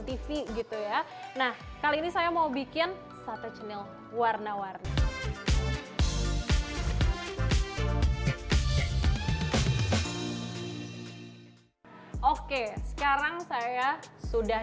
tv gitu ya nah kali ini saya mau bikin sate cenil warna warni oke sekarang saya sudah